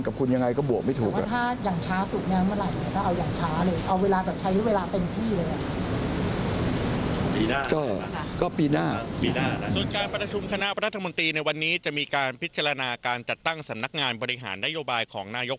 มันก็เร็วขึ้นเพราะว่าผมจะไปบวกรบคุณหารกับคุณอย่างไรก็บวกไม่ถูก